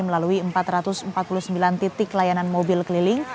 melalui empat ratus empat puluh sembilan titik layanan mobil keliling